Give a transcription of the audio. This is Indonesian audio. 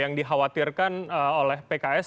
yang dikhawatirkan oleh pks